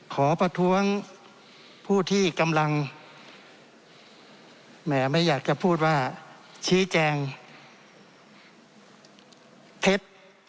ขอประท้วงผู้ที่กำลังแหมไม่อยากจะพูดว่าชี้แจงเท็จ